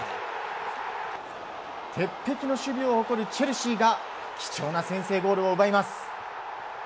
鉄壁の守備を誇るチェルシーが貴重な先制ゴールを奪います。